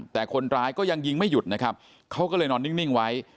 แต่คนร้ายก็ยังยิงไม่หยุดนะครับเขาก็เลยนอนนิ่งไว้